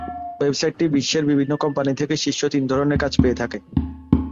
ওয়েবসাইটটি বিশ্বের বিভিন্ন কোম্পানি থেকে শীর্ষ তিন ধরনের কাজ পেয়ে থাকে।